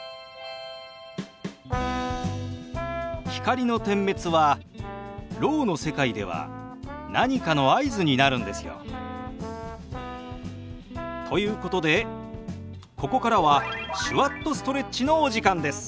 光の点滅はろうの世界では何かの合図になるんですよ。ということでここからは「手話っとストレッチ」のお時間です。